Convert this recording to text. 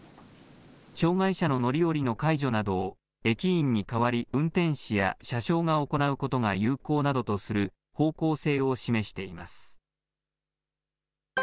障害者の乗り降りの介助などを駅員に代わり、運転士や車掌が行うことが有効などとする方向性を示しています。